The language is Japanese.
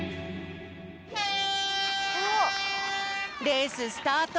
レーススタート！